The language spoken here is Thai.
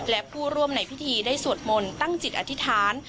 และผู้ร่วมในพิธีได้สวดมนต์ตั้งจิตอธิษฐาน